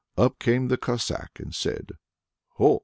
Up came the Cossack and said: "Ho!